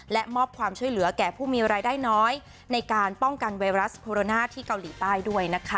และมอบความช่วยเหลือแก่ผู้มีรายได้น้อยในการป้องกันไวรัสโคโรนาที่เกาหลีใต้ด้วยนะคะ